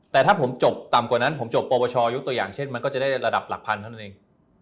แต่ถ้าผมจบต่ำกว่านั้นผมจบปวชยกตัวอย่างเช่นมันก็จะได้ระดับหลักพันเท่านั้นเอง